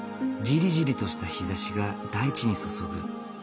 ジリジリとした日ざしが大地に注ぐ。